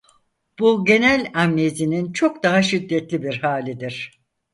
Bu genel amnezinin çok daha şiddetli bir hâlidir.